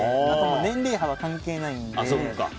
年齢幅、関係ないので。